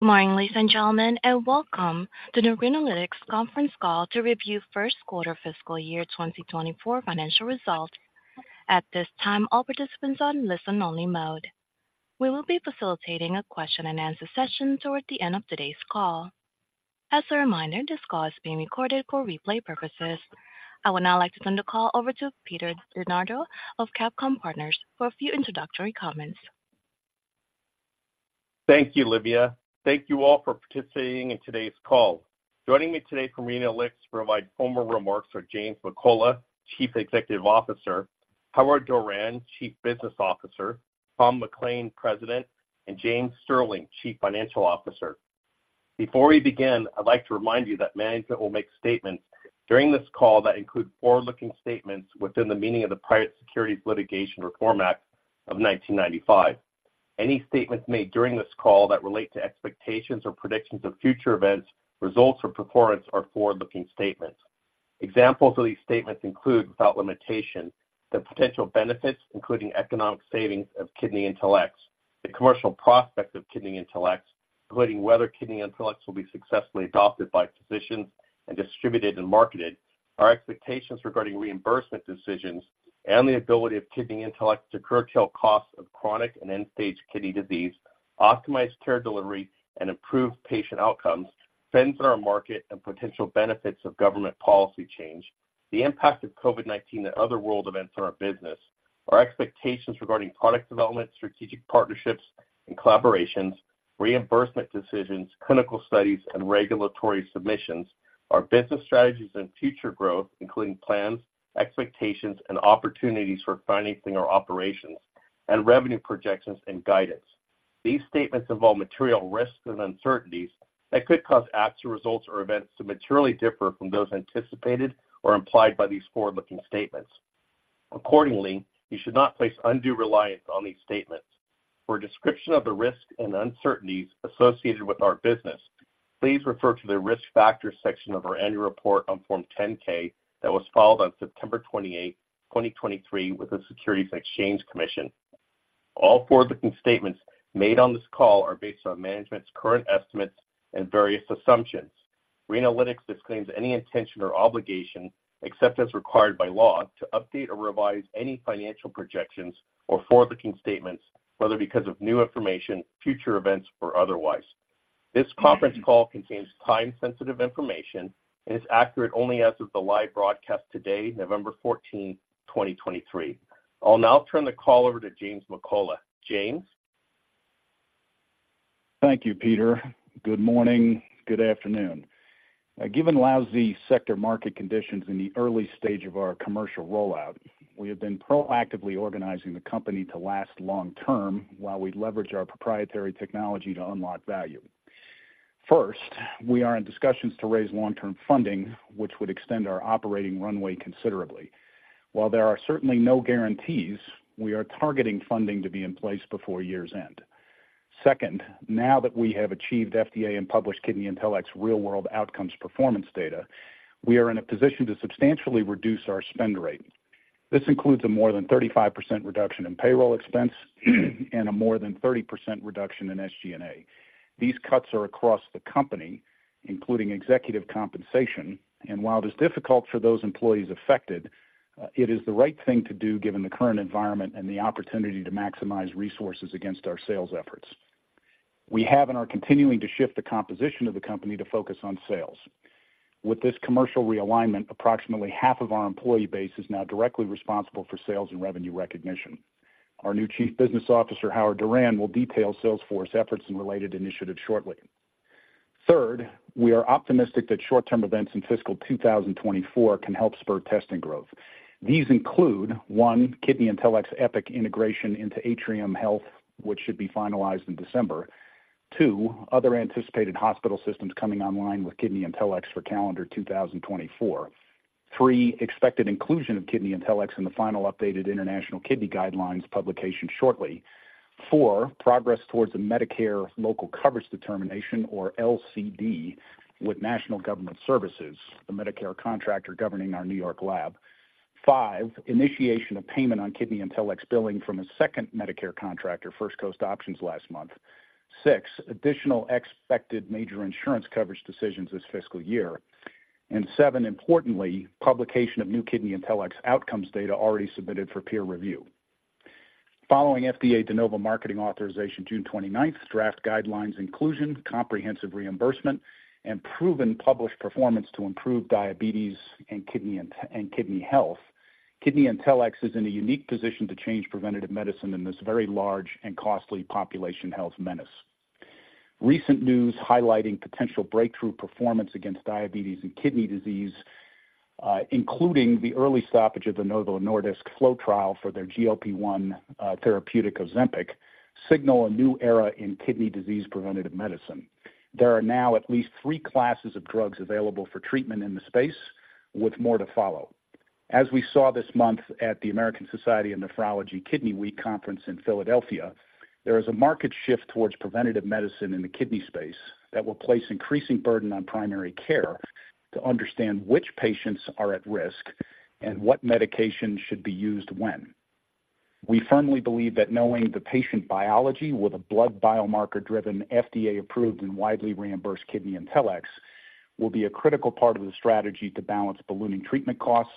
Good morning, ladies and gentlemen, and welcome to the Renalytix conference call to review first quarter fiscal year 2024 financial results. At this time, all participants are on listen-only mode. We will be facilitating a question-and-answer session towards the end of today's call. As a reminder, this call is being recorded for replay purposes. I would now like to turn the call over to Peter DeNardo of CapComm Partners for a few introductory comments. Thank you, Livia. Thank you all for participating in today's call. Joining me today from Renalytix to provide former remarks are James McCullough, Chief Executive Officer; Howard Doran, Chief Business Officer; Thomas McLain, President, and James Sterling, Chief Financial Officer. Before we begin, I'd like to remind you that management will make statements during this call that include forward-looking statements within the meaning of the Private Securities Litigation Reform Act of 1995. Any statements made during this call that relate to expectations or predictions of future events, results or performance are forward-looking statements. Examples of these statements include, without limitation, the potential benefits, including economic savings of KidneyIntelX, the commercial prospects of KidneyIntelX, including whether KidneyIntelX will be successfully adopted by physicians and distributed and marketed. Our expectations regarding reimbursement decisions and the ability of KidneyIntelX to curtail costs of chronic and end-stage kidney disease, optimize care delivery and improve patient outcomes, trends in our market and potential benefits of government policy change, the impact of COVID-19 and other world events on our business. Our expectations regarding product development, strategic partnerships and collaborations, reimbursement decisions, clinical studies and regulatory submissions, our business strategies and future growth, including plans, expectations, and opportunities for financing our operations and revenue projections and guidance. These statements involve material risks and uncertainties that could cause actual results or events to materially differ from those anticipated or implied by these forward-looking statements. Accordingly, you should not place undue reliance on these statements. For a description of the risks and uncertainties associated with our business, please refer to the Risk Factors section of our annual report on Form 10-K that was filed on September 28, 2023, with the Securities and Exchange Commission. All forward-looking statements made on this call are based on management's current estimates and various assumptions. Renalytix disclaims any intention or obligation, except as required by law, to update or revise any financial projections or forward-looking statements, whether because of new information, future events, or otherwise. This conference call contains time-sensitive information and is accurate only as of the live broadcast today, November 14, 2023. I'll now turn the call over to James McCullough. James? Thank you, Peter. Good morning. Good afternoon. Given lousy sector market conditions in the early stage of our commercial rollout, we have been proactively organizing the company to last long term while we leverage our proprietary technology to unlock value. First, we are in discussions to raise long-term funding, which would extend our operating runway considerably. While there are certainly no guarantees, we are targeting funding to be in place before year's end. Second, now that we have achieved FDA and published KidneyIntelX's real-world outcomes performance data, we are in a position to substantially reduce our spend rate. This includes a more than 35% reduction in payroll expense and a more than 30% reduction in SG&A. These cuts are across the company, including executive compensation, and while it is difficult for those employees affected, it is the right thing to do given the current environment and the opportunity to maximize resources against our sales efforts. We have and are continuing to shift the composition of the company to focus on sales. With this commercial realignment, approximately half of our employee base is now directly responsible for sales and revenue recognition. Our new Chief Business Officer, Howard Doran, will detail sales force efforts and related initiatives shortly. Third, we are optimistic that short-term events in fiscal 2024 can help spur testing growth. These include, one, KidneyIntelX's Epic integration into Atrium Health, which should be finalized in December. Two, other anticipated hospital systems coming online with KidneyIntelX for calendar 2024. three, expected inclusion of KidneyIntelX in the final updated international kidney guidelines publication shortly. four, progress towards the Medicare Local Coverage Determination, or LCD, with National Government Services, the Medicare contractor governing our New York lab. five, initiation of payment on KidneyIntelX's billing from a second Medicare contractor, First Coast Options, last month. six, additional expected major insurance coverage decisions this fiscal year. And seven, importantly, publication of new KidneyIntelX's outcomes data already submitted for peer review. Following FDA De Novo marketing authorization June 29, draft guidelines inclusion, comprehensive reimbursement, and proven published performance to improve diabetes and kidney health. KidneyIntelX is in a unique position to change preventive medicine in this very large and costly population health menace. Recent news highlighting potential breakthrough performance against diabetes and kidney disease, including the early stoppage of the Novo Nordisk FLOW trial for their GLP-1 therapeutic Ozempic, signal a new era in kidney disease preventative medicine. There are now at least three classes of drugs available for treatment in the space, with more to follow. As we saw this month at the American Society of Nephrology Kidney Week conference in Philadelphia, there is a market shift towards preventative medicine in the kidney space that will place increasing burden on primary care to understand which patients are at risk and what medication should be used when. We firmly believe that knowing the patient biology with a blood biomarker-driven, FDA-approved, and widely reimbursed KidneyIntelX will be a critical part of the strategy to balance ballooning treatment costs,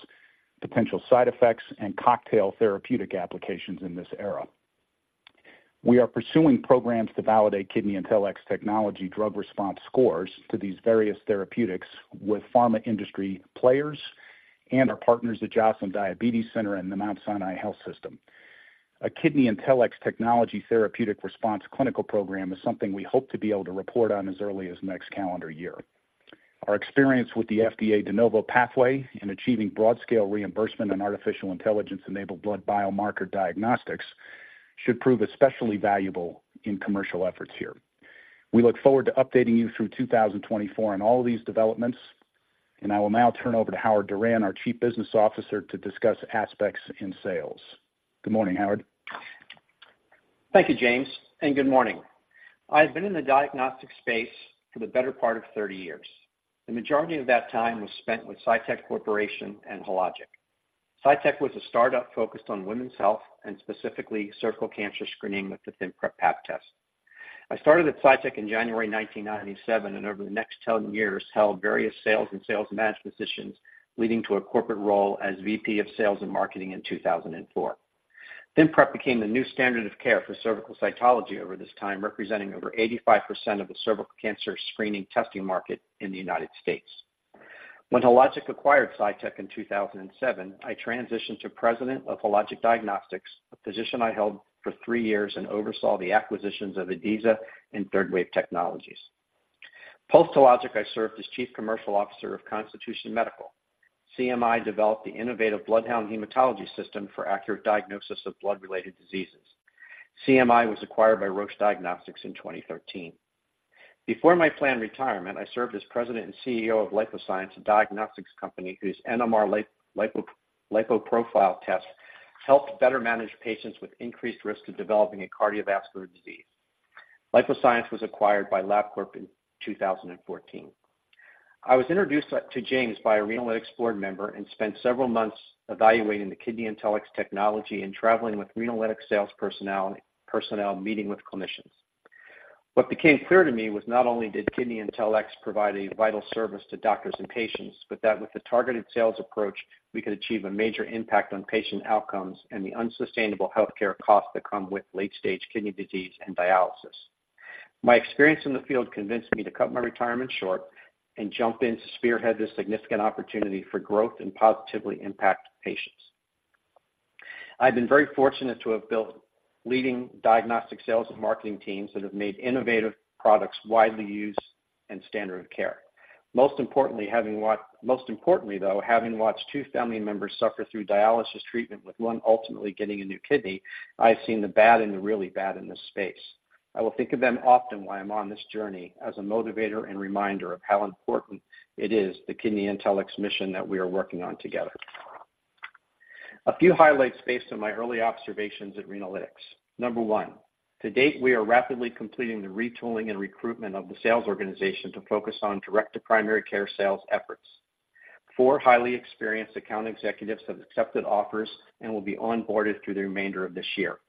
potential side effects, and cocktail therapeutic applications in this era. We are pursuing programs to validate KidneyIntelX technology drug response scores to these various therapeutics with pharma industry players and our partners at Joslin Diabetes Center and the Mount Sinai Health System. A KidneyIntelX technology therapeutic response clinical program is something we hope to be able to report on as early as next calendar year. Our experience with the FDA De Novo pathway in achieving broad-scale reimbursement and artificial intelligence-enabled blood biomarker diagnostics should prove especially valuable in commercial efforts here. We look forward to updating you through 2024 on all of these developments, and I will now turn over to Howard Doran, our Chief Business Officer, to discuss aspects in sales. Good morning, Howard. Thank you, James, and good morning. I've been in the diagnostic space for the better part of 30 years. The majority of that time was spent with Cytyc Corporation and Hologic. Cytyc was a startup focused on women's health and specifically, cervical cancer screening with the ThinPrep Pap test. I started at Cytyc in January 1997, and over the next 10 years, held various sales and sales management positions, leading to a corporate role as VP of Sales and Marketing in 2004. ThinPrep became the new standard of care for cervical cytology over this time, representing over 85% of the cervical cancer screening testing market in the United States. When Hologic acquired Cytyc in 2007, I transitioned to President of Hologic Diagnostics, a position I held for three years and oversaw the acquisitions of Adeza and Third Wave Technologies. Post-Hologic, I served as Chief Commercial Officer of Constitution Medical. CMI developed the innovative Bloodhound Hematology System for accurate diagnosis of blood-related diseases. CMI was acquired by Roche Diagnostics in 2013. Before my planned retirement, I served as President and Chief Executive Officer of LipoScience, a diagnostics company whose NMR LipoProfile test helped better manage patients with increased risk of developing a cardiovascular disease. LipoScience was acquired by LabCorp in 2014. I was introduced to James by a Renalytix board member and spent several months evaluating the KidneyIntelX technology and traveling with Renalytix sales personnel, meeting with clinicians. What became clear to me was not only did KidneyIntelX provide a vital service to doctors and patients, but that with the targeted sales approach, we could achieve a major impact on patient outcomes and the unsustainable healthcare costs that come with late-stage kidney disease and dialysis. My experience in the field convinced me to cut my retirement short and jump in to spearhead this significant opportunity for growth and positively impact patients. I've been very fortunate to have built leading diagnostic sales and marketing teams that have made innovative products widely used and standard of care. Most importantly, though, having watched two family members suffer through dialysis treatment, with one ultimately getting a new kidney, I've seen the bad and the really bad in this space. I will think of them often while I'm on this journey as a motivator and reminder of how important it is, the KidneyIntelX mission that we are working on together. A few highlights based on my early observations at Renalytix. Number one, to date, we are rapidly completing the retooling and recruitment of the sales organization to focus on direct-to-primary care sales efforts. four highly experienced account executives have accepted offers and will be onboarded through the remainder of this year.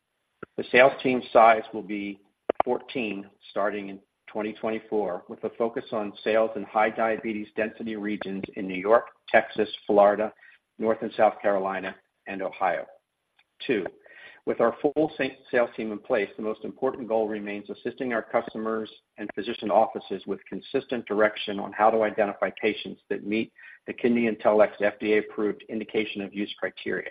The sales team size will be 14 starting in 2024, with a focus on sales in high diabetes density regions in New York, Texas, Florida, North and South Carolina, and Ohio. Two, with our full sales team in place, the most important goal remains assisting our customers and physician offices with consistent direction on how to identify patients that meet the KidneyIntelX FDA-approved indication of use criteria.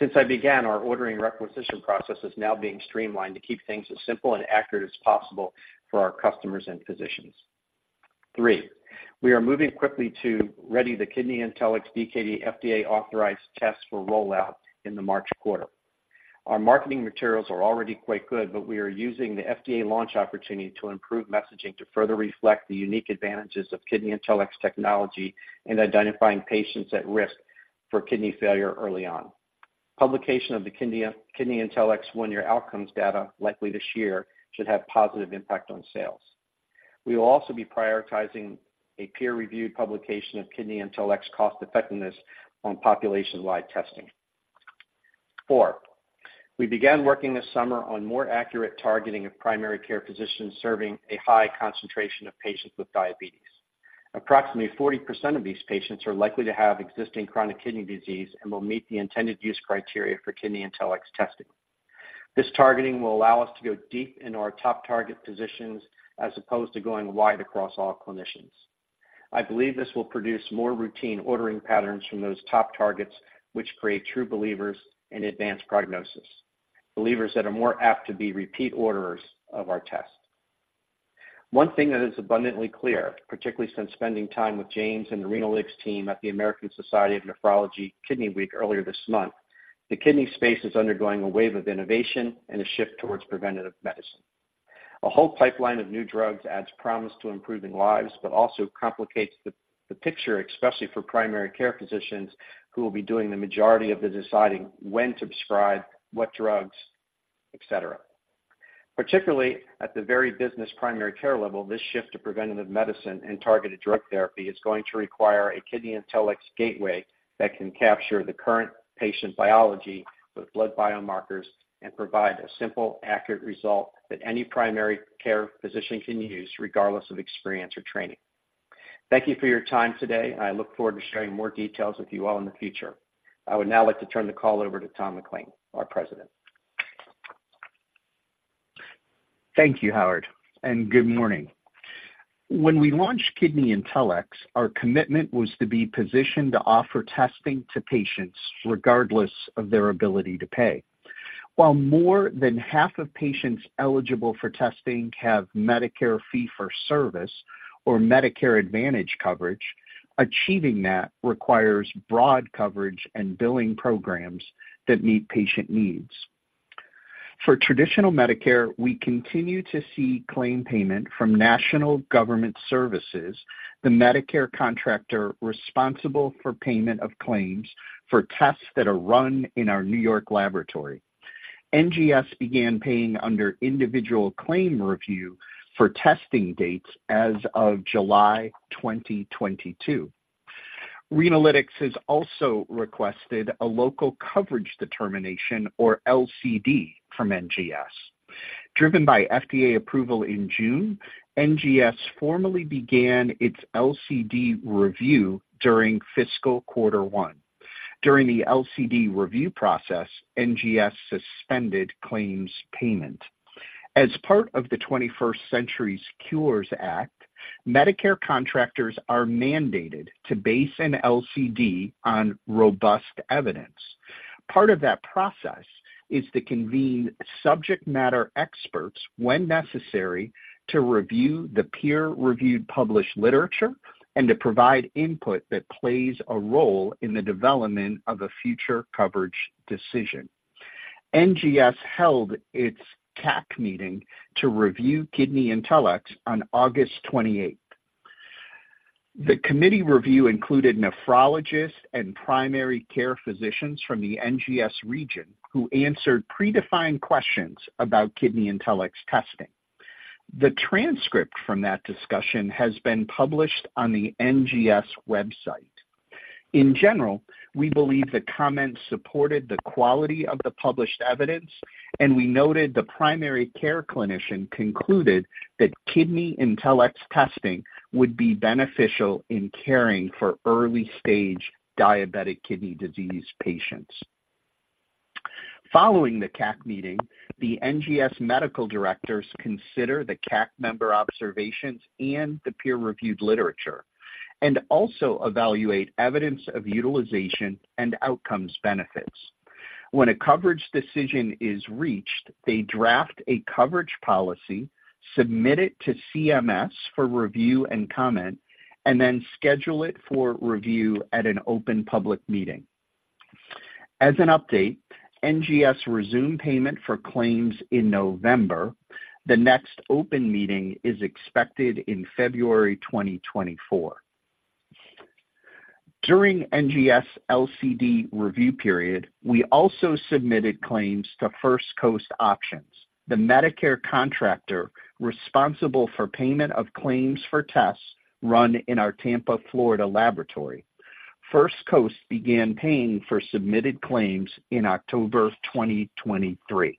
Since I began, our ordering requisition process is now being streamlined to keep things as simple and accurate as possible for our customers and physicians. three, we are moving quickly to ready the KidneyIntelX.dkd FDA authorized test for rollout in the March quarter. Our marketing materials are already quite good, but we are using the FDA launch opportunity to improve messaging to further reflect the unique advantages of KidneyIntelX technology in identifying patients at risk for kidney failure early on. Publication of the KidneyIntelX 1-year outcomes data, likely this year, should have positive impact on sales. We will also be prioritizing a peer-reviewed publication of KidneyIntelX cost effectiveness on population-wide testing. four, we began working this summer on more accurate targeting of primary care physicians serving a high concentration of patients with diabetes. Approximately 40% of these patients are likely to have existing chronic kidney disease and will meet the intended use criteria for KidneyIntelX testing. This targeting will allow us to go deep into our top target positions, as opposed to going wide across all clinicians. I believe this will produce more routine ordering patterns from those top targets, which create true believers in advanced prognosis, believers that are more apt to be repeat orders of our test. One thing that is abundantly clear, particularly since spending time with James and the Renalytix team at the American Society of Nephrology Kidney Week earlier this month, the kidney space is undergoing a wave of innovation and a shift towards preventative medicine. A whole pipeline of new drugs adds promise to improving lives, but also complicates the picture, especially for primary care physicians, who will be doing the majority of the deciding when to prescribe what drugs, et cetera. Particularly at the very business primary care level, this shift to preventative medicine and targeted drug therapy is going to require a KidneyIntelX gateway that can capture the current patient biology with blood biomarkers and provide a simple, accurate result that any primary care physician can use, regardless of experience or training. Thank you for your time today. I look forward to sharing more details with you all in the future. I would now like to turn the call over to Tom McLain, our President. Thank you, Howard, and good morning. When we launched KidneyIntelX, our commitment was to be positioned to offer testing to patients regardless of their ability to pay. While more than half of patients eligible for testing have Medicare fee-for-service or Medicare Advantage coverage, achieving that requires broad coverage and billing programs that meet patient needs. For traditional Medicare, we continue to see claim payment from National Government Services, the Medicare contractor responsible for payment of claims for tests that are run in our New York laboratory. NGS began paying under individual claim review for testing dates as of July 2022. Renalytix has also requested a local coverage determination, or LCD, from NGS. Driven by FDA approval in June, NGS formally began its LCD review during fiscal quarter one. During the LCD review process, NGS suspended claims payment. As part of the 21st Century Cures Act, Medicare contractors are mandated to base an LCD on robust evidence. Part of that process is to convene subject matter experts when necessary, to review the peer-reviewed published literature and to provide input that plays a role in the development of a future coverage decision. NGS held its CAC meeting to review KidneyIntelX on August 28th. The committee review included nephrologists and primary care physicians from the NGS region who answered predefined questions about KidneyIntelX's testing. The transcript from that discussion has been published on the NGS website. In general, we believe the comments supported the quality of the published evidence, and we noted the primary care clinician concluded that KidneyIntelX's testing would be beneficial in caring for early-stage diabetic kidney disease patients. Following the CAC meeting, the NGS medical directors consider the CAC member observations and the peer-reviewed literature, and also evaluate evidence of utilization and outcomes benefits. When a coverage decision is reached, they draft a coverage policy, submit it to CMS for review and comment, and then schedule it for review at an open public meeting. As an update, NGS resumed payment for claims in November. The next open meeting is expected in February 2024. During NGS LCD review period, we also submitted claims to First Coast Options, the Medicare contractor responsible for payment of claims for tests run in our Tampa, Florida laboratory. First Coast began paying for submitted claims in October 2023.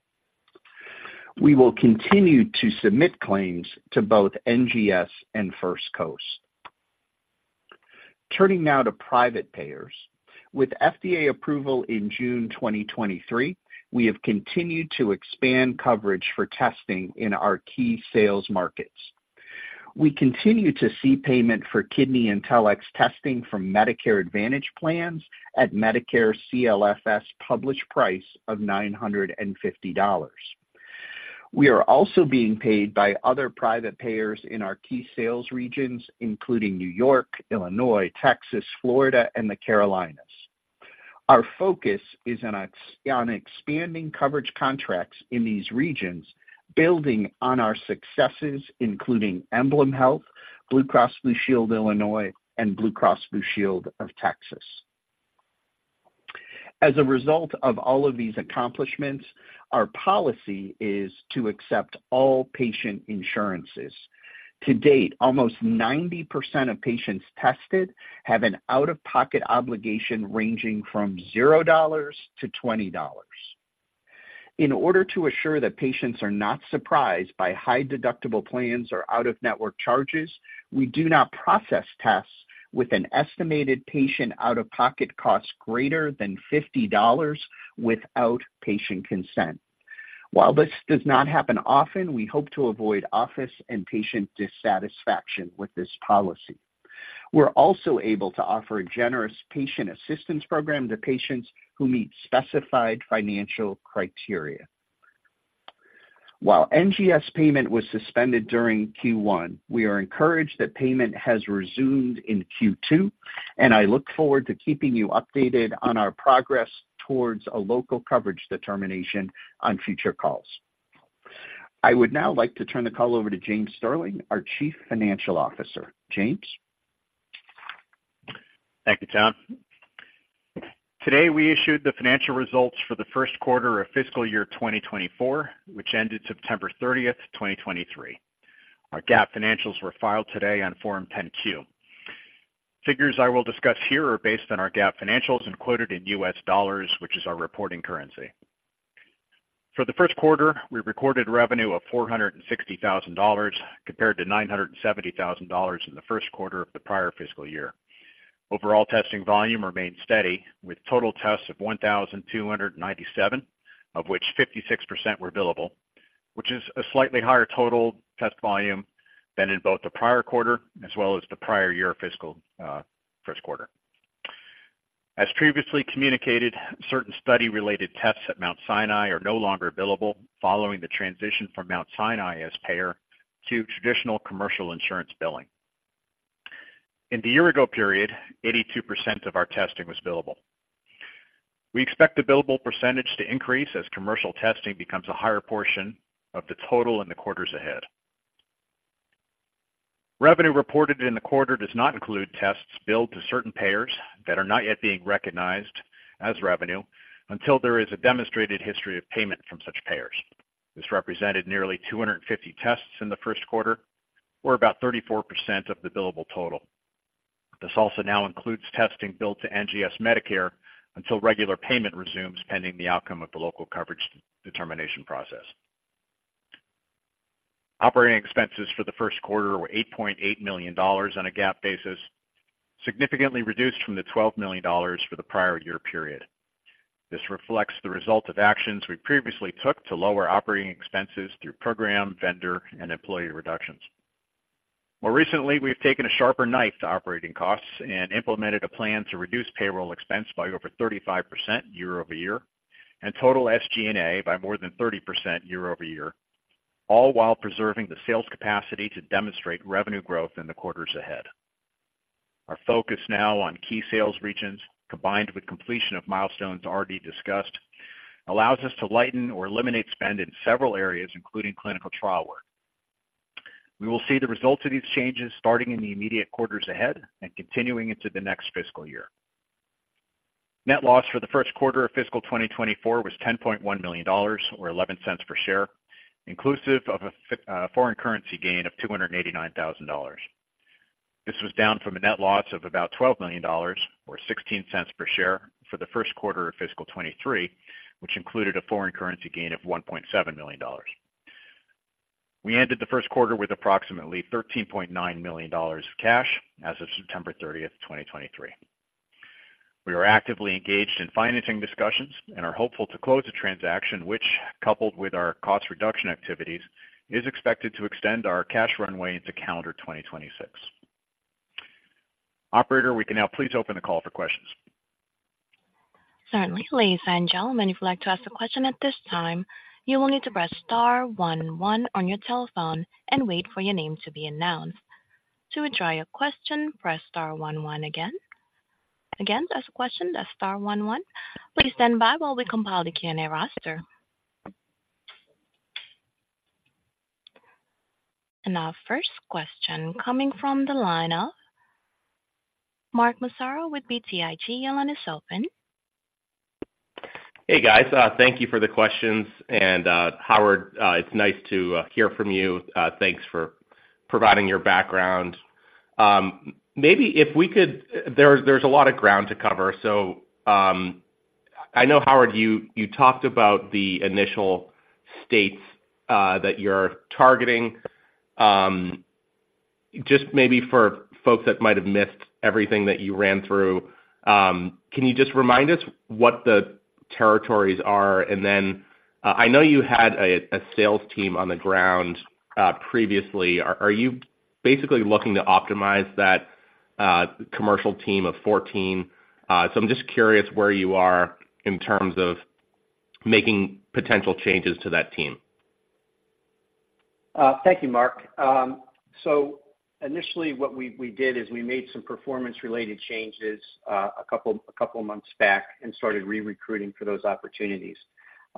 We will continue to submit claims to both NGS and First Coast. Turning now to private payers. With FDA approval in June 2023, we have continued to expand coverage for testing in our key sales markets. We continue to see payment for KidneyIntelX testing from Medicare Advantage plans at Medicare CLFS published price of $950. We are also being paid by other private payers in our key sales regions, including New York, Illinois, Texas, Florida, and the Carolinas. Our focus is on expanding coverage contracts in these regions, building on our successes, including EmblemHealth, Blue Cross Blue Shield of Illinois, and Blue Cross Blue Shield of Texas. As a result of all of these accomplishments, our policy is to accept all patient insurances. To date, almost 90% of patients tested have an out-of-pocket obligation ranging from $0 to $20. In order to assure that patients are not surprised by high deductible plans or out-of-network charges, we do not process tests with an estimated patient out-of-pocket cost greater than $50 without patient consent. While this does not happen often, we hope to avoid office and patient dissatisfaction with this policy. We're also able to offer a generous patient assistance program to patients who meet specified financial criteria. While NGS payment was suspended during Q1, we are encouraged that payment has resumed in Q2, and I look forward to keeping you updated on our progress towards a local coverage determination on future calls. I would now like to turn the call over to James Sterling, our Chief Financial Officer. James? Thank you, Tom. Today, we issued the financial results for the first quarter of fiscal year 2024, which ended September 30, 2023. Our GAAP financials were filed today on Form 10-Q. Figures I will discuss here are based on our GAAP financials and quoted in U.S. dollars, which is our reporting currency. For the first quarter, we recorded revenue of $460,000, compared to $970,000 in the first quarter of the prior fiscal year. Overall testing volume remained steady, with total tests of 1,297, of which 56% were billable, which is a slightly higher total test volume than in both the prior quarter as well as the prior year fiscal first quarter. As previously communicated, certain study-related tests at Mount Sinai are no longer billable following the transition from Mount Sinai as payer to traditional commercial insurance billing. In the year-ago period, 82% of our testing was billable. We expect the billable percentage to increase as commercial testing becomes a higher portion of the total in the quarters ahead. Revenue reported in the quarter does not include tests billed to certain payers that are not yet being recognized as revenue until there is a demonstrated history of payment from such payers. This represented nearly 250 tests in the first quarter, or about 34% of the billable total. This also now includes testing billed to NGS Medicare until regular payment resumes, pending the outcome of the local coverage determination process. Operating expenses for the first quarter were $8.8 million on a GAAP basis, significantly reduced from the $12 million for the prior year period. This reflects the result of actions we previously took to lower operating expenses through program, vendor, and employee reductions. More recently, we've taken a sharper knife to operating costs and implemented a plan to reduce payroll expense by over 35% year-over-year, and total SG&A by more than 30% year-over-year, all while preserving the sales capacity to demonstrate revenue growth in the quarters ahead. Our focus now on key sales regions, combined with completion of milestones already discussed, allows us to lighten or eliminate spend in several areas, including clinical trial work. We will see the results of these changes starting in the immediate quarters ahead and continuing into the next fiscal year. Net loss for the first quarter of fiscal 2024 was $10.1 million, or 11 cents per share, inclusive of a foreign currency gain of $289,000. This was down from a net loss of about $12 million, or 16 cents per share for the first quarter of fiscal 2023, which included a foreign currency gain of $1.7 million. We ended the first quarter with approximately $13.9 million of cash as of September 30, 2023. We are actively engaged in financing discussions and are hopeful to close the transaction, which, coupled with our cost reduction activities, is expected to extend our cash runway into calendar 2026. Operator, we can now please open the call for questions. Certainly. Ladies and gentlemen, if you'd like to ask a question at this time, you will need to press star one one on your telephone and wait for your name to be announced. To withdraw your question, press star one one again. Again, to ask a question, press star one one. Please stand by while we compile the Q&A roster. Our first question coming from the line of Mark Massaro with BTIG. Your line is open. Hey, guys, thank you for the questions. Howard, it's nice to hear from you. Thanks for providing your background. Maybe if we could... There's a lot of ground to cover. I know, Howard, you talked about the initial states that you're targeting. Just maybe for folks that might have missed everything that you ran through, can you just remind us what the territories are? Then, I know you had a sales team on the ground previously. Are you basically looking to optimize that commercial team of 14? I'm just curious where you are in terms of making potential changes to that team. Thank you, Mark. So initially, what we did is we made some performance-related changes, a couple of months back and started recruiting for those opportunities.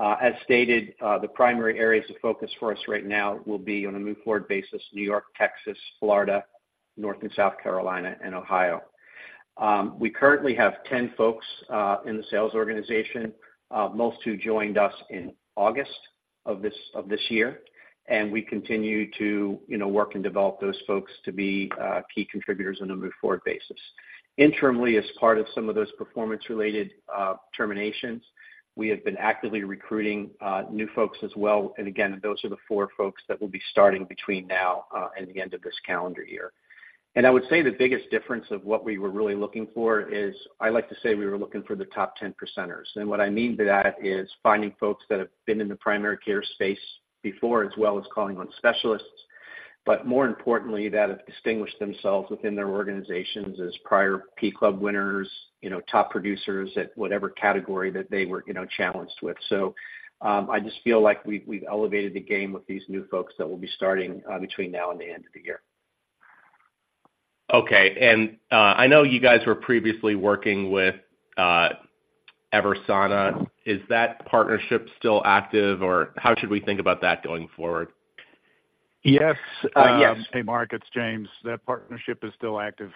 As stated, the primary areas of focus for us right now will be on a move forward basis, New York, Texas, Florida, North and South Carolina, and Ohio. We currently have 10 folks in the sales organization, most who joined us in August of this year, and we continue to, you know, work and develop those folks to be key contributors on a move forward basis. Internally, as part of some of those performance-related terminations, we have been actively recruiting new folks as well. And again, those are the 4 folks that will be starting between now and the end of this calendar year. I would say the biggest difference of what we were really looking for is, I like to say we were looking for the top 10 percenters. What I mean by that is finding folks that have been in the primary care space before, as well as calling on specialists, but more importantly, that have distinguished themselves within their organizations as prior P club winners, you know, top producers at whatever category that they were, you know, challenged with. I just feel like we've elevated the game with these new folks that will be starting between now and the end of the year. Okay. And, I know you guys were previously working with Eversana. Is that partnership still active, or how should we think about that going forward?... Yes, yes. Hey, Mark, it's James. That partnership is still active,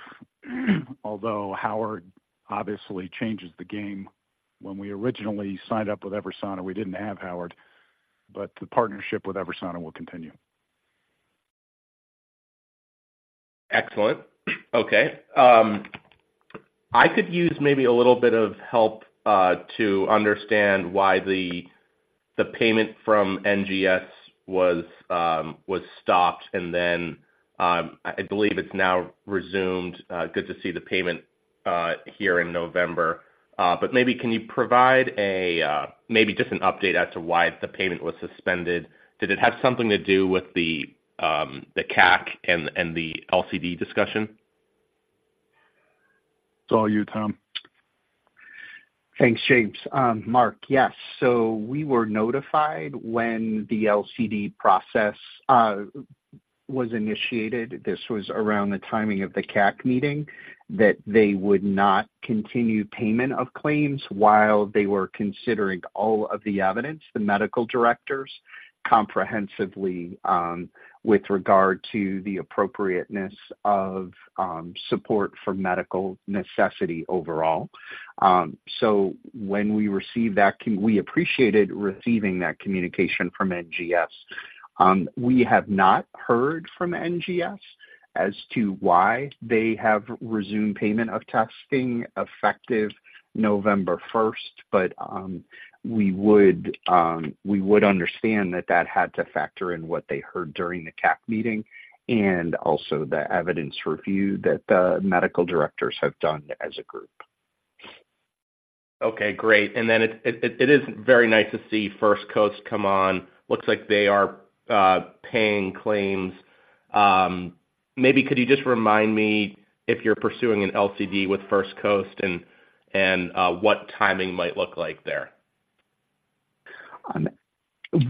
although Howard obviously changes the game. When we originally signed up with Eversana, we didn't have Howard, but the partnership with Eversana will continue. Excellent. Okay, I could use maybe a little bit of help to understand why the payment from NGS was stopped, and then, I believe it's now resumed. Good to see the payment here in November. But maybe can you provide a maybe just an update as to why the payment was suspended? Did it have something to do with the CAC and the LCD discussion? It's all you, Tom. Thanks, James. Mark, yes. So we were notified when the LCD process was initiated. This was around the timing of the CAC meeting, that they would not continue payment of claims while they were considering all of the evidence, the medical directors, comprehensively, with regard to the appropriateness of support for medical necessity overall. So when we received that communication, we appreciated receiving that communication from NGS. We have not heard from NGS as to why they have resumed payment of testing effective November first, but we would understand that that had to factor in what they heard during the CAC meeting and also the evidence review that the medical directors have done as a group. Okay, great. And then it is very nice to see First Coast come on. Looks like they are paying claims. Maybe could you just remind me if you're pursuing an LCD with First Coast and what timing might look like there?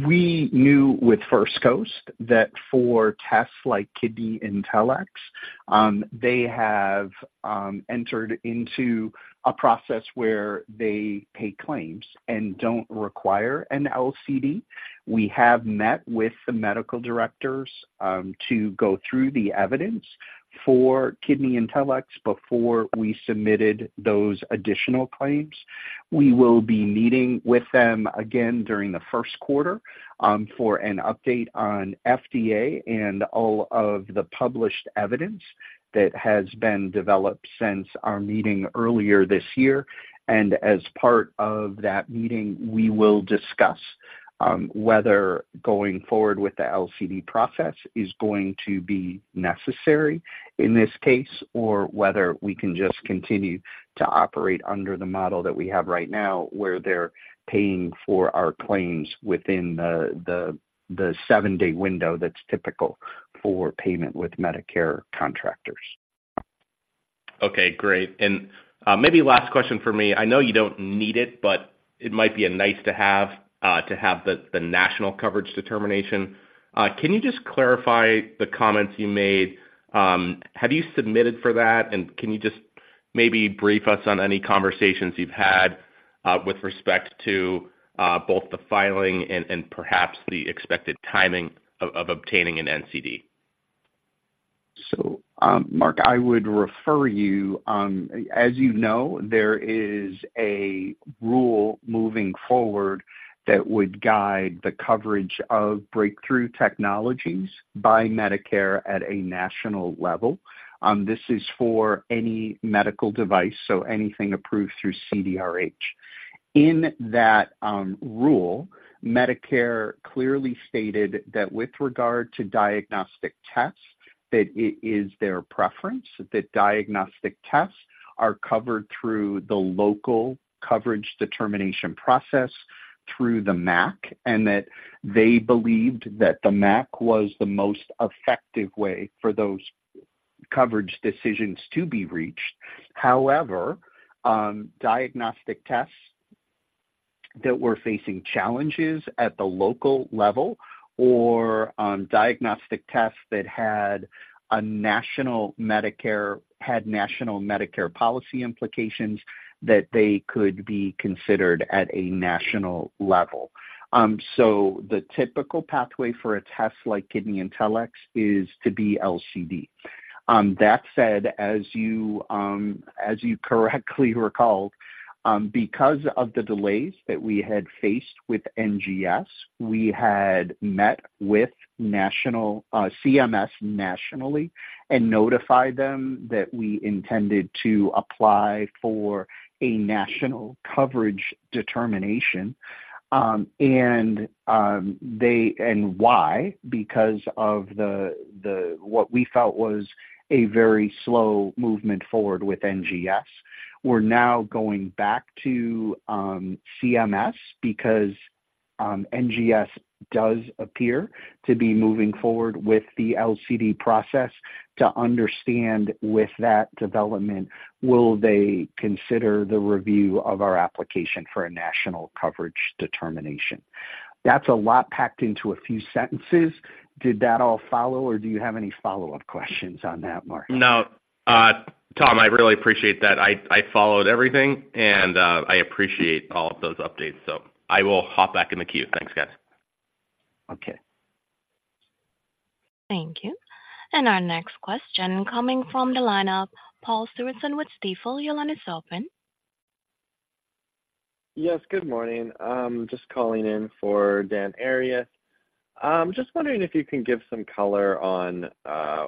We knew with First Coast that for tests like KidneyIntelX, they have entered into a process where they pay claims and don't require an LCD. We have met with the medical directors to go through the evidence for KidneyIntelX before we submitted those additional claims. We will be meeting with them again during the first quarter for an update on FDA and all of the published evidence that has been developed since our meeting earlier this year. As part of that meeting, we will discuss whether going forward with the LCD process is going to be necessary in this case, or whether we can just continue to operate under the model that we have right now, where they're paying for our claims within the seven-day window that's typical for payment with Medicare contractors. Okay, great. And, maybe last question for me. I know you don't need it, but it might be a nice to have, to have the National Coverage Determination. Can you just clarify the comments you made? Have you submitted for that? And can you just maybe brief us on any conversations you've had, with respect to both the filing and perhaps the expected timing of obtaining an NCD? So, Mark, I would refer you. As you know, there is a rule moving forward that would guide the coverage of breakthrough technologies by Medicare at a national level. This is for any medical device, so anything approved through CDRH. In that rule, Medicare clearly stated that with regard to diagnostic tests, that it is their preference, that diagnostic tests are covered through the local coverage determination process, through the MAC, and that they believed that the MAC was the most effective way for those coverage decisions to be reached. However, diagnostic tests that were facing challenges at the local level or diagnostic tests that had a national Medicare - had national Medicare policy implications, that they could be considered at a national level. So the typical pathway for a test like KidneyIntelX is to be LCD. That said, as you correctly recalled, because of the delays that we had faced with NGS, we had met with national CMS nationally and notified them that we intended to apply for a national coverage determination. And why? Because of what we felt was a very slow movement forward with NGS. We're now going back to CMS, because NGS does appear to be moving forward with the LCD process to understand, with that development, will they consider the review of our application for a national coverage determination? That's a lot packed into a few sentences. Did that all follow, or do you have any follow-up questions on that, Mark? No. Tom, I really appreciate that. I followed everything, and I appreciate all of those updates, so I will hop back in the queue. Thanks, guys. Okay. Thank you. Our next question coming from the lineup, Paul Shortino with Stifel. Your line is open. Yes, good morning. Just calling in for Dan Arias. I'm just wondering if you can give some color on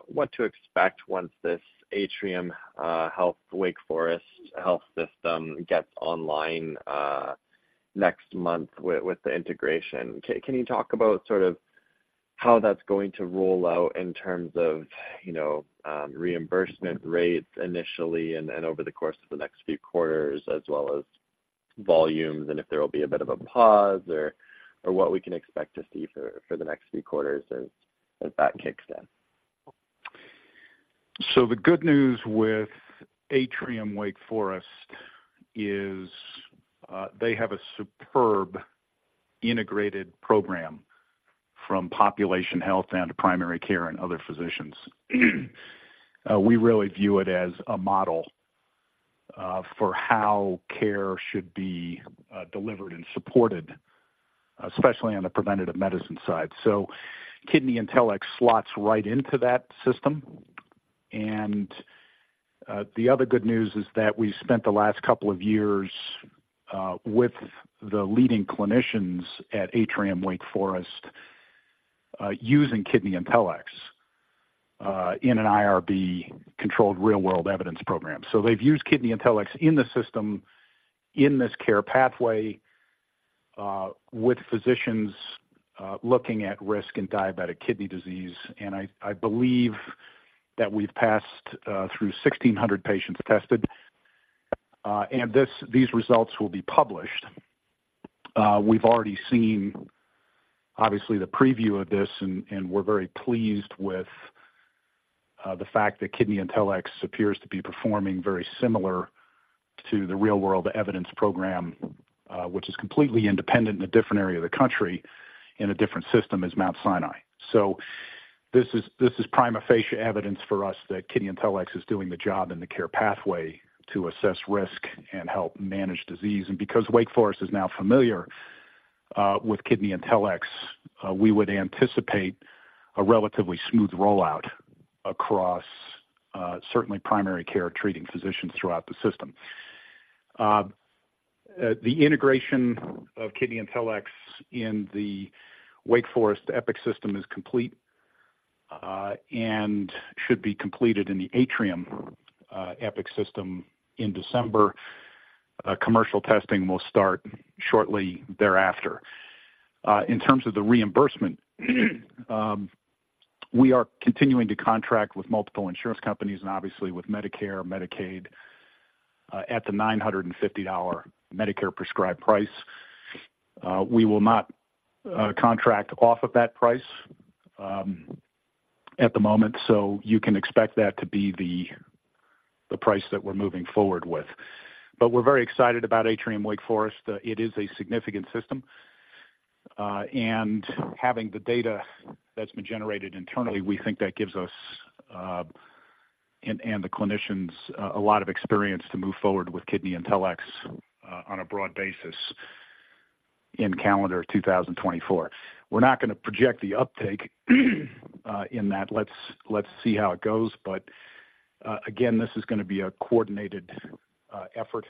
what to expect once this Atrium Health, Wake Forest Health system gets online next month with the integration. Can you talk about sort of how that's going to roll out in terms of, you know, reimbursement rates initially and over the course of the next few quarters, as well as volumes? And if there will be a bit of a pause or what we can expect to see for the next few quarters as that kicks in? So the good news with Atrium Wake Forest is, they have a superb integrated program from population health and primary care and other physicians. We really view it as a model, for how care should be, delivered and supported, especially on the preventative medicine side. So KidneyIntelX slots right into that system. And, the other good news is that we spent the last couple of years, with the leading clinicians at Atrium Wake Forest, using KidneyIntelX, in an IRB-controlled real-world evidence program. So they've used KidneyIntelX in the system, in this care pathway, with physicians, looking at risk and diabetic kidney disease. And I believe that we've passed, through 1,600 patients tested, and these results will be published. We've already seen, obviously, the preview of this, and we're very pleased with the fact that KidneyIntelX appears to be performing very similar to the real-world evidence program, which is completely independent in a different area of the country, in a different system as Mount Sinai. So this is prima facie evidence for us that KidneyIntelX is doing the job in the care pathway to assess risk and help manage disease. And because Wake Forest is now familiar with KidneyIntelX, we would anticipate a relatively smooth rollout across certainly primary care treating physicians throughout the system. The integration of KidneyIntelX in the Wake Forest Epic system is complete, and should be completed in the Atrium Epic system in December. Commercial testing will start shortly thereafter. In terms of the reimbursement, we are continuing to contract with multiple insurance companies and obviously with Medicare, Medicaid, at the $950 Medicare prescribed price. We will not contract off of that price, at the moment, so you can expect that to be the price that we're moving forward with. But we're very excited about Atrium Wake Forest. It is a significant system, and having the data that's been generated internally, we think that gives us and the clinicians a lot of experience to move forward with KidneyIntelX, on a broad basis in calendar 2024. We're not gonna project the uptake, in that. Let's see how it goes. But, again, this is gonna be a coordinated effort,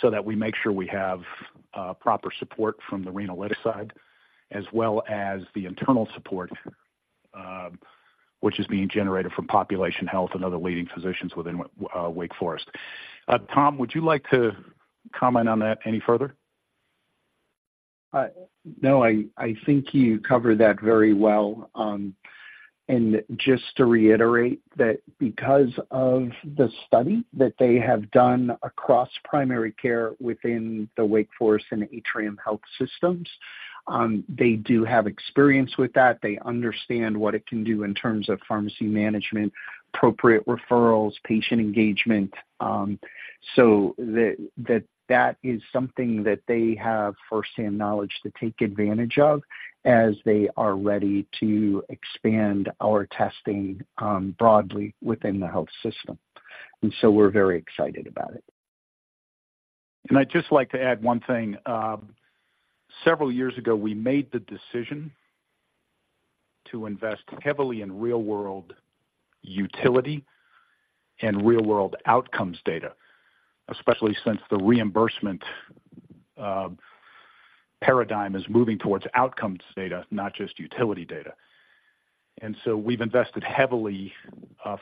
so that we make sure we have proper support from the Renalytix side as well as the internal support, which is being generated from population health and other leading physicians within Wake Forest. Tom, would you like to comment on that any further? No, I think you covered that very well. And just to reiterate, that because of the study that they have done across primary care within the Wake Forest and Atrium Health systems, they do have experience with that. They understand what it can do in terms of pharmacy management, appropriate referrals, patient engagement. So that is something that they have firsthand knowledge to take advantage of as they are ready to expand our testing broadly within the health system. And so we're very excited about it. And I'd just like to add one thing. Several years ago, we made the decision to invest heavily in real-world utility and real-world outcomes data, especially since the reimbursement paradigm is moving towards outcomes data, not just utility data. And so we've invested heavily,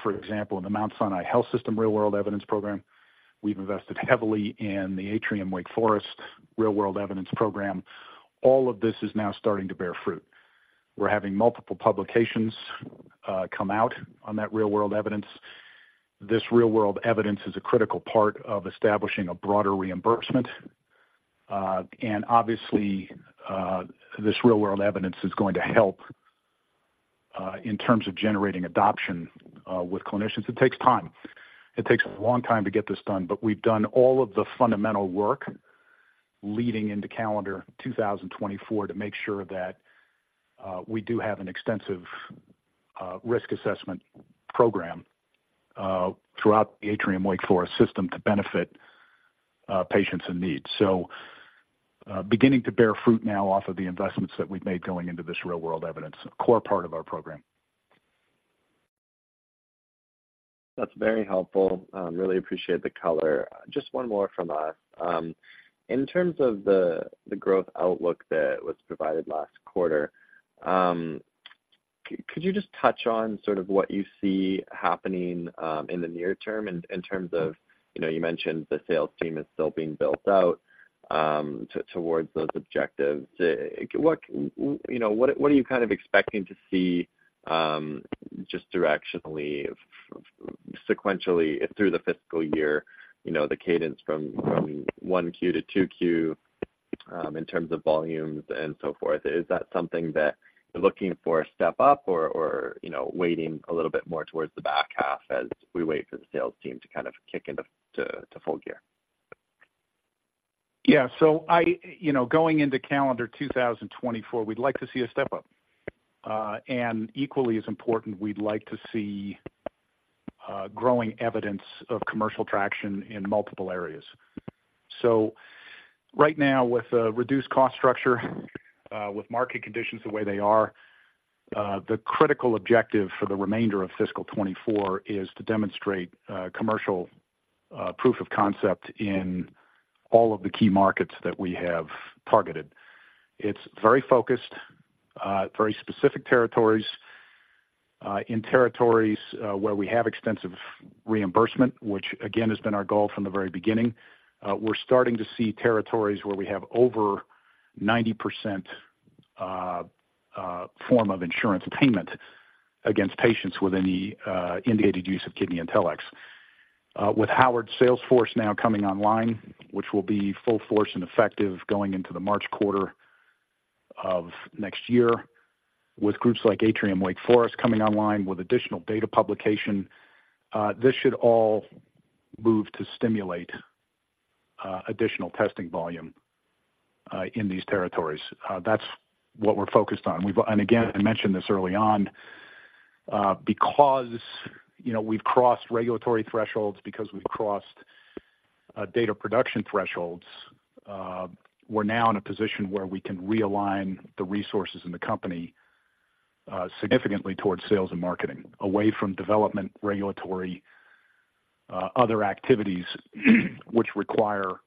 for example, in the Mount Sinai Health System Real-World Evidence Program. We've invested heavily in the Atrium Wake Forest Real-World Evidence Program. All of this is now starting to bear fruit. We're having multiple publications come out on that real-world evidence. This real-world evidence is a critical part of establishing a broader reimbursement. And obviously, this real-world evidence is going to help in terms of generating adoption with clinicians. It takes time. It takes a long time to get this done, but we've done all of the fundamental work leading into calendar 2024, to make sure that we do have an extensive risk assessment program throughout the Atrium Wake Forest system to benefit patients in need. So, beginning to bear fruit now off of the investments that we've made going into this real-world evidence, a core part of our program. That's very helpful. Really appreciate the color. Just one more from us. In terms of the growth outlook that was provided last quarter, could you just touch on sort of what you see happening in the near term in terms of, you know, you mentioned the sales team is still being built out towards those objectives? What, you know, what are you kind of expecting to see just directionally, sequentially through the fiscal year, you know, the cadence from 1Q to 2Q in terms of volumes and so forth? Is that something that you're looking for a step up or, you know, waiting a little bit more towards the back half as we wait for the sales team to kind of kick into full gear? Yeah. So I, you know, going into calendar 2024, we'd like to see a step up. And equally as important, we'd like to see growing evidence of commercial traction in multiple areas. So right now, with a reduced cost structure, with market conditions the way they are, the critical objective for the remainder of fiscal 2024 is to demonstrate commercial proof of concept in all of the key markets that we have targeted. It's very focused, very specific territories. In territories where we have extensive reimbursement, which again, has been our goal from the very beginning, we're starting to see territories where we have over 90% form of insurance payment against patients with any indicated use of KidneyIntelX. With Howard's sales force now coming online, which will be full force and effective going into the March quarter of next year, with groups like Atrium Wake Forest coming online with additional data publication, this should all move to stimulate additional testing volume in these territories. That's what we're focused on. And again, I mentioned this early on, because, you know, we've crossed regulatory thresholds, because we've crossed data production thresholds, we're now in a position where we can realign the resources in the company significantly towards sales and marketing, away from development, regulatory other activities, which require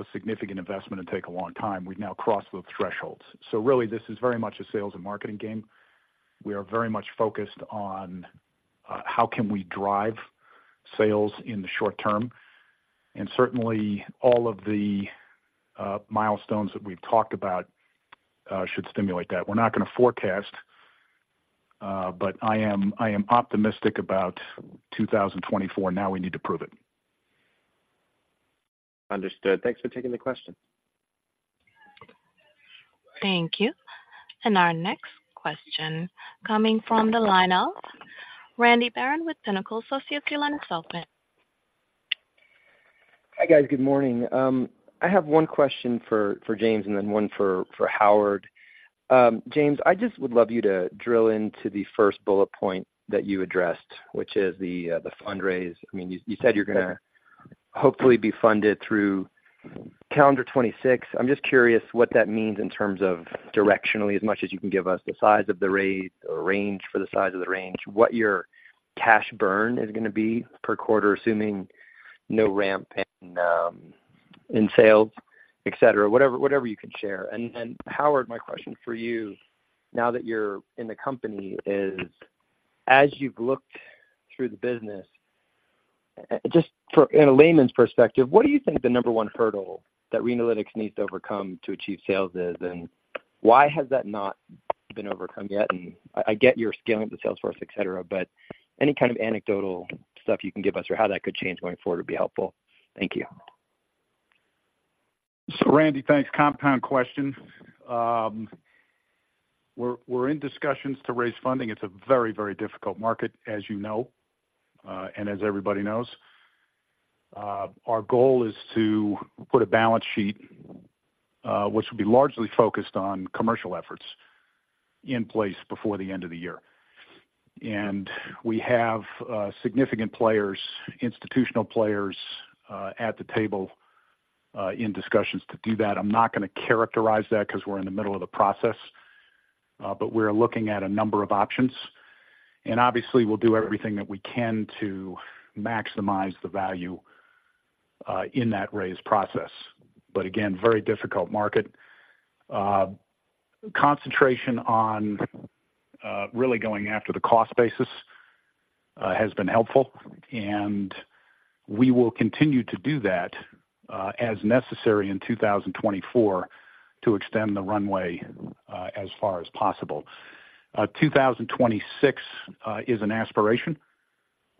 a significant investment and take a long time. We've now crossed those thresholds. So really, this is very much a sales and marketing game. We are very much focused on how can we drive sales in the short term, and certainly all of the milestones that we've talked about should stimulate that. We're not going to forecast, but I am, I am optimistic about 2024. Now we need to prove it. Understood. Thanks for taking the question. Thank you. Our next question coming from the line of Randy Baron with Pinnacle Associates LLC. Hi, guys. Good morning. I have one question for James and then one for Howard. James, I just would love you to drill into the first bullet point that you addressed, which is the fundraise. I mean, you said you're gonna hopefully be funded through calendar 2026. I'm just curious what that means in terms of directionally, as much as you can give us the size of the raise or range for the size of the range, what your cash burn is gonna be per quarter, assuming no ramp in sales, et cetera, whatever, whatever you can share. And then, Howard, my question for you now that you're in the company is: as you've looked through the business, just in a layman's perspective, what do you think the number one hurdle that Renalytix needs to overcome to achieve sales is, and why has that not been overcome yet? And I, I get you're scaling up the sales force, et cetera, et cetera, but any kind of anecdotal stuff you can give us or how that could change going forward would be helpful. Thank you. So, Randy, thanks. Compound question. We're in discussions to raise funding. It's a very, very difficult market, as you know, and as everybody knows. Our goal is to put a balance sheet, which will be largely focused on commercial efforts, in place before the end of the year. And we have significant players, institutional players, at the table, in discussions to do that. I'm not gonna characterize that because we're in the middle of the process, but we're looking at a number of options, and obviously, we'll do everything that we can to maximize the value, in that raise process. But again, very difficult market. Concentration on, really going after the cost basis, has been helpful, and we will continue to do that, as necessary in 2024 to extend the runway, as far as possible. 2026 is an aspiration.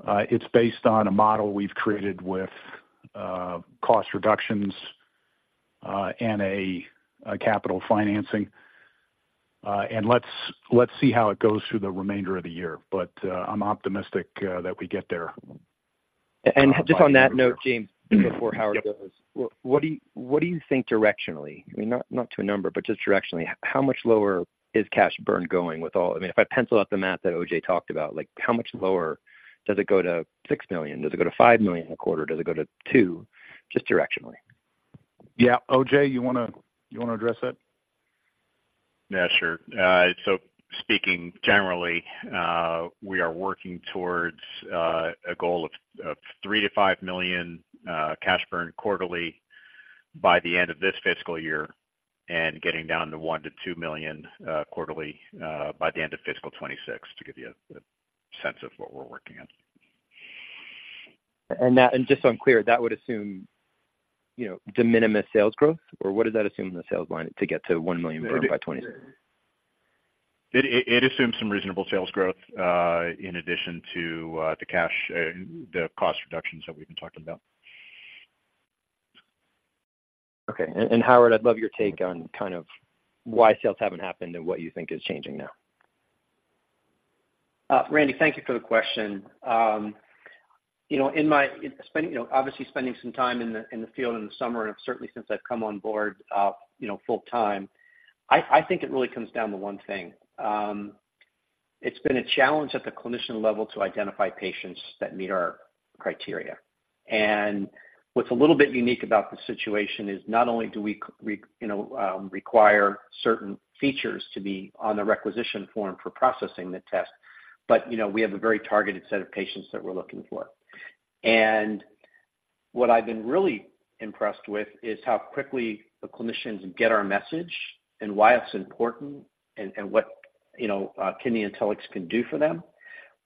It's based on a model we've created with, cost reductions, and a capital financing. And let's see how it goes through the remainder of the year, but, I'm optimistic, that we get there. Just on that note, James, before Howard goes, what do you think directionally? I mean, not to a number, but just directionally, how much lower is cash burn going with all-- I mean, if I pencil out the math that O.J. talked about, like, how much lower does it go to $6 million? Does it go to $5 million a quarter? Does it go to $2 million? Just directionally. Yeah. O.J., you want to, you want to address that? Yeah, sure. So speaking generally, we are working towards a goal of $3 million-$5 million cash burn quarterly by the end of this fiscal year and getting down to $1 million-$2 million quarterly by the end of fiscal 2026, to give you a sense of what we're working on. Just so I'm clear, that would assume, you know, de minimis sales growth, or what does that assume in the sales line to get to $1 million burn by 2026? It assumes some reasonable sales growth, in addition to the cash, the cost reductions that we've been talking about. Okay. Howard, I'd love your take on kind of why sales haven't happened and what you think is changing now. Randy, thank you for the question. You know, in my spending, you know, obviously spending some time in the field in the summer, and certainly since I've come on board, you know, full-time, I think it really comes down to one thing. It's been a challenge at the clinician level to identify patients that meet our criteria. And what's a little bit unique about the situation is, not only do we we, you know, require certain features to be on the requisition form for processing the test, but, you know, we have a very targeted set of patients that we're looking for. And what I've been really impressed with is how quickly the clinicians get our message and why it's important and what, you know, KidneyIntelX can do for them.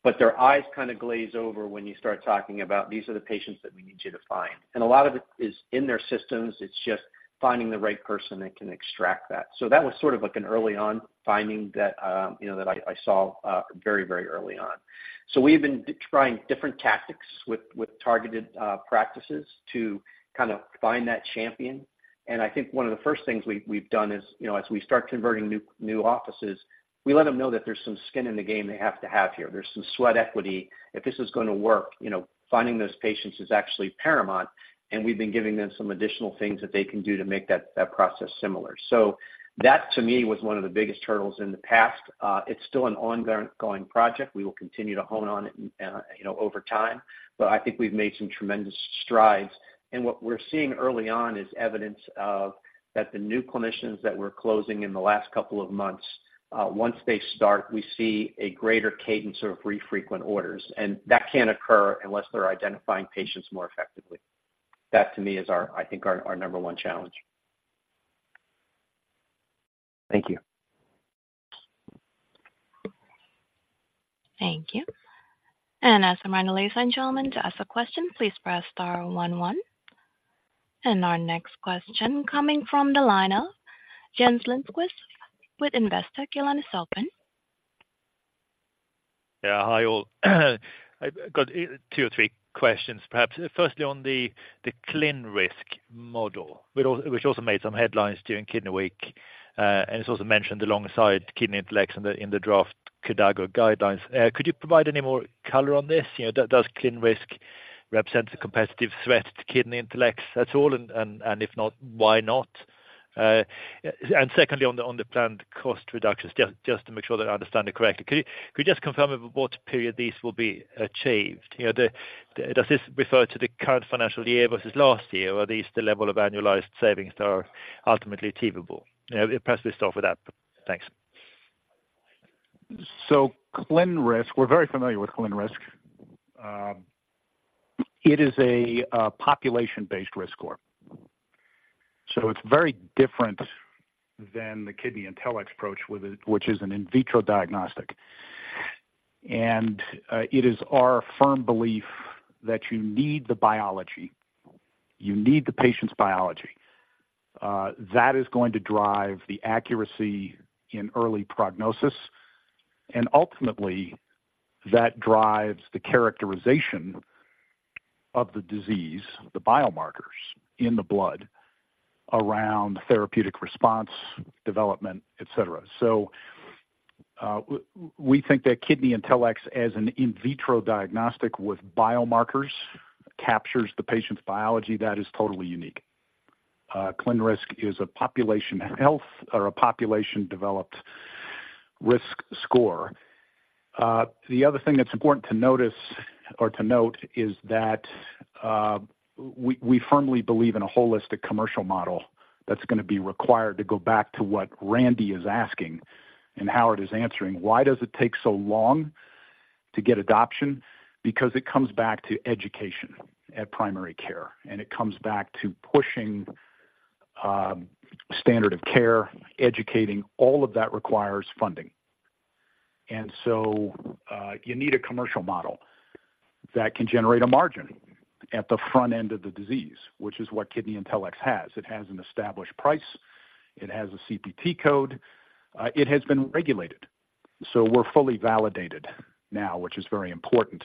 But their eyes kind of glaze over when you start talking about, "These are the patients that we need you to find." A lot of it is in their systems. It's just finding the right person that can extract that. That was sort of, like, an early on finding that, you know, that I saw very, very early on. So we've been trying different tactics with targeted practices to kind of find that champion. And I think one of the first things we've done is, you know, as we start converting new offices, we let them know that there's some skin in the game they have to have here. There's some sweat equity. If this is gonna work, you know, finding those patients is actually paramount, and we've been giving them some additional things that they can do to make that, that process similar. So that, to me, was one of the biggest hurdles in the past. It's still an ongoing project. We will continue to hone in on it, you know, over time, but I think we've made some tremendous strides. And what we're seeing early on is evidence of that the new clinicians that we're closing in the last couple of months, once they start, we see a greater cadence of more frequent orders, and that can't occur unless they're identifying patients more effectively. That, to me, is our, I think, our, our number one challenge. Thank you. Thank you. As a reminder, ladies and gentlemen, to ask a question, please press star one one. Our next question coming from the line of Jens Lindqvist with Investec. Your line is open. Yeah, hi, all. I've got two or three questions, perhaps. Firstly, on the ClinRisk model, which also made some headlines during Kidney Week, and it's also mentioned alongside KidneyIntelX in the draft KDIGO guidelines. Could you provide any more color on this? You know, does ClinRisk represent a competitive threat to KidneyIntelX at all? And if not, why not? And secondly, on the planned cost reductions, just to make sure that I understand it correctly. Could you just confirm over what period these will be achieved? You know, does this refer to the current financial year versus last year, or are these the level of annualized savings that are ultimately achievable? Perhaps we start with that. Thanks. So ClinRisk, we're very familiar with ClinRisk. It is a population-based risk score. So it's very different than the KidneyIntelX approach, with it, which is an in vitro diagnostic. And it is our firm belief that you need the biology, you need the patient's biology. That is going to drive the accuracy in early prognosis, and ultimately, that drives the characterization of the disease, the biomarkers in the blood around therapeutic response, development, et cetera. So we think that KidneyIntelX, as an in vitro diagnostic with biomarkers, captures the patient's biology. That is totally unique. ClinRisk is a population health or a population-developed risk score. The other thing that's important to notice or to note is that, we firmly believe in a holistic commercial model that's gonna be required to go back to what Randy is asking and Howard is answering. Why does it take so long to get adoption? Because it comes back to education at primary care, and it comes back to pushing, standard of care, educating. All of that requires funding. And so, you need a commercial model that can generate a margin at the front end of the disease, which is what KidneyIntelX has. It has an established price. It has a CPT code. It has been regulated, so we're fully validated now, which is very important.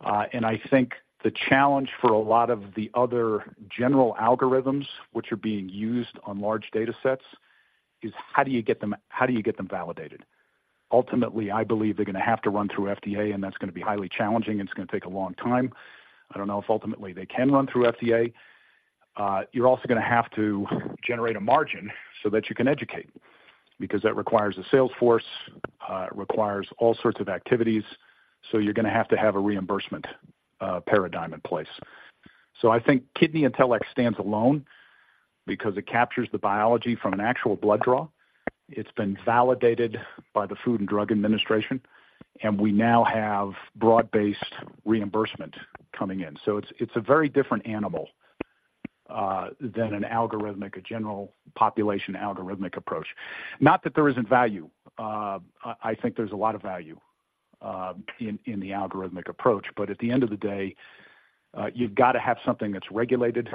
And I think the challenge for a lot of the other general algorithms which are being used on large data sets-... is how do you get them, how do you get them validated? Ultimately, I believe they're gonna have to run through FDA, and that's gonna be highly challenging, it's gonna take a long time. I don't know if ultimately they can run through FDA. You're also gonna have to generate a margin so that you can educate, because that requires a sales force, it requires all sorts of activities, so you're gonna have to have a reimbursement paradigm in place. So I think KidneyIntelX stands alone because it captures the biology from an actual blood draw. It's been validated by the Food and Drug Administration, and we now have broad-based reimbursement coming in. So it's a very different animal than an algorithmic, a general population algorithmic approach. Not that there isn't value. I think there's a lot of value in the algorithmic approach. But at the end of the day, you've gotta have something that's regulated,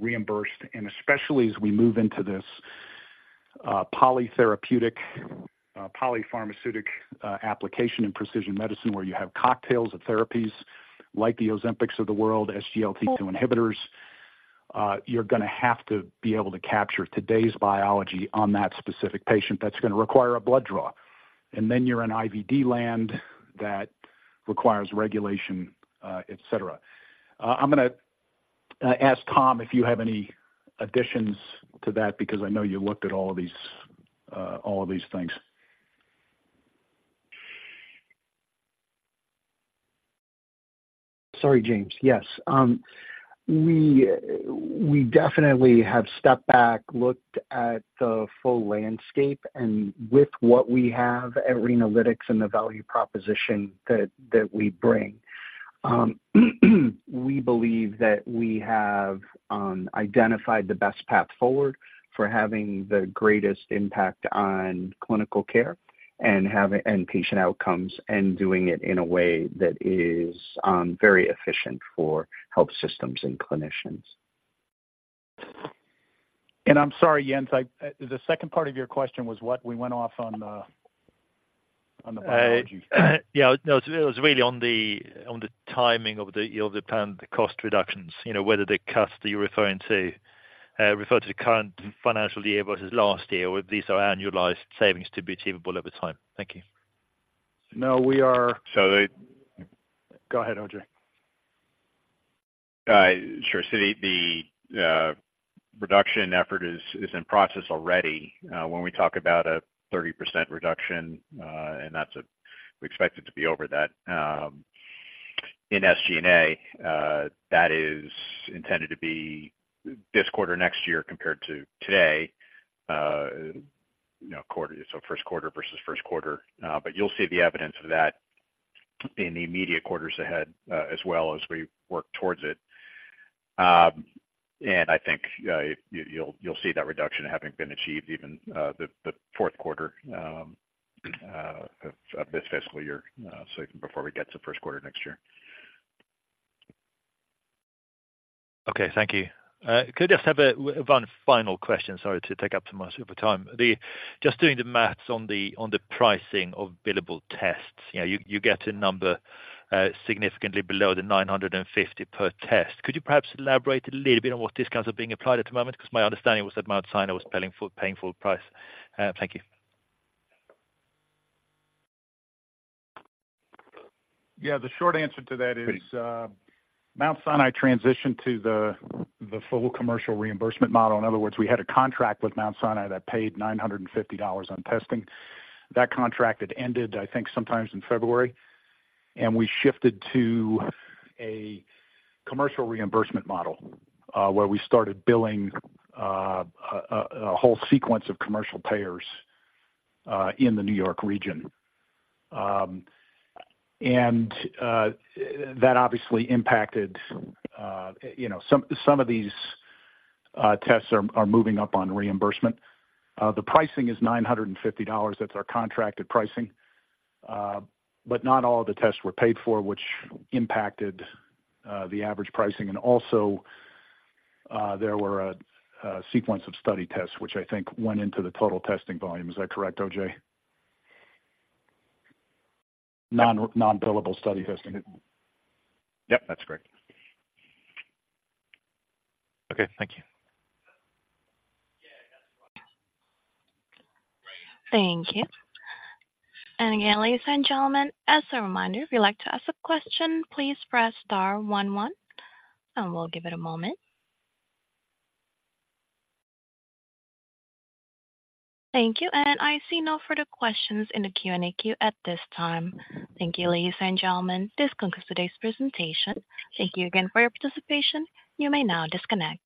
reimbursed, and especially as we move into this polytherapeutic polypharmaceutic application in precision medicine, where you have cocktails of therapies like the Ozempics of the world, SGLT2 inhibitors, you're gonna have to be able to capture today's biology on that specific patient. That's gonna require a blood draw, and then you're in IVD land that requires regulation, et cetera. I'm gonna ask Tom if you have any additions to that, because I know you looked at all of these things. Sorry, James. Yes, we definitely have stepped back, looked at the full landscape and with what we have at Renalytix and the value proposition that we bring, we believe that we have identified the best path forward for having the greatest impact on clinical care and having and patient outcomes, and doing it in a way that is very efficient for health systems and clinicians. I'm sorry, Jens, the second part of your question was what? We went off on the biology. Yeah, no, it was really on the timing of the plan, the cost reductions, you know, whether the cuts that you're referring to refer to the current financial year versus last year, or these are annualized savings to be achievable over time. Thank you. No, we are- So the- Go ahead, O.J. Sure. So the reduction effort is in process already. When we talk about a 30% reduction, and that's a... we expect it to be over that, in SG&A, that is intended to be this quarter, next year, compared to today, you know, quarter, so first quarter versus first quarter. But you'll see the evidence of that in the immediate quarters ahead, as well as we work towards it. And I think, you, you'll see that reduction having been achieved even the fourth quarter, of this fiscal year, so before we get to the first quarter next year. Okay, thank you. Could I just have one final question? Sorry to take up so much of the time. Just doing the math on the pricing of billable tests, you know, you get a number significantly below the $950 per test. Could you perhaps elaborate a little bit on what discounts are being applied at the moment? Because my understanding was that Mount Sinai was paying full, paying full price. Thank you. Yeah, the short answer to that is, Mount Sinai transitioned to the full commercial reimbursement model. In other words, we had a contract with Mount Sinai that paid $950 on testing. That contract had ended, I think, sometime in February, and we shifted to a commercial reimbursement model, where we started billing a whole sequence of commercial payers in the New York region. And that obviously impacted, you know, some of these tests are moving up on reimbursement. The pricing is $950, that's our contracted pricing. But not all of the tests were paid for, which impacted the average pricing. And also, there were a sequence of study tests, which I think went into the total testing volume. Is that correct, OJ? Non, non-billable study testing. Yep, that's correct. Okay, thank you. Thank you. And again, ladies and gentlemen, as a reminder, if you'd like to ask a question, please press star one one, and we'll give it a moment. Thank you, and I see no further questions in the Q&A queue at this time. Thank you, ladies and gentlemen. This concludes today's presentation. Thank you again for your participation. You may now disconnect.